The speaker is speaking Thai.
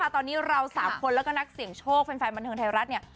ตอนนี้เรา๓คนแล้วก็นักเสี่ยงโชคแฟนบันเทิงไทยรัฐเนี่ย